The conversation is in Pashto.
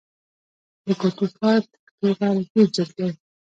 د کوټي ښار تکتو غر ډېر جګ دی.